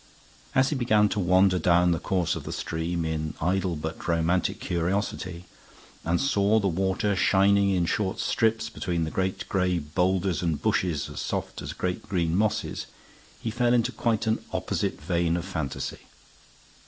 As he began to wander down the course of the stream, in idle but romantic curiosity, and saw the water shining in short strips between the great gray boulders and bushes as soft as great green mosses, he fell into quite an opposite vein of fantasy.